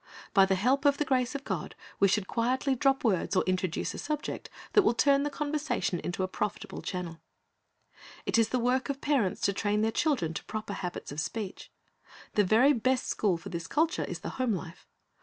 By the help of the grace of God we should quietly drop words or introduce a subject that will turn the conversation into a profitable channel. It is the work of parents to train their children to proper habits of speech. The very best school for this culture is the home life.